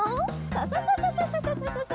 ササササササササ！